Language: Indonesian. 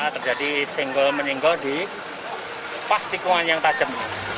terjadi singgul menyinggul di pas tikungan yang tajam